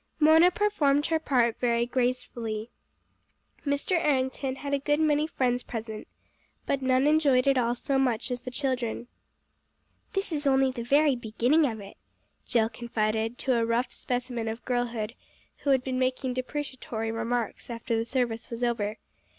Mona performed her part very gracefully. Mr. Errington had a good many friends present, but none enjoyed it all so much as the children. "This is only the very beginning of it," Jill confided to a rough specimen of girlhood, who had been making depreciatory remarks, after the service was over.